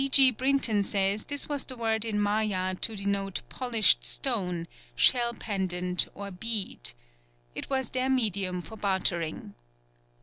_ D. G. Brinton says this was the word in Maya to denote polished stone, shell pendant, or bead. It was their medium for bartering.